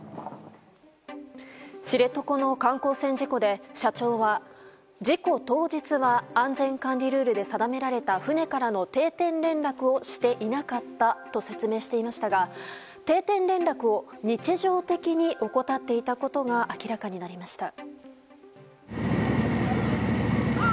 知床の観光船事故で社長は事故当日は安全管理ルールで定められた船からの定点連絡をしていなかったと説明していましたが定点連絡を日常的に怠っていたことが明らかになりました。